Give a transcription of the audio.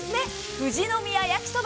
富士宮やきそば。